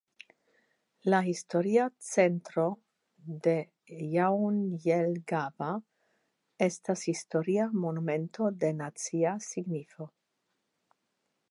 La historia centro de Jaunjelgava estas historia monumento de nacia signifo.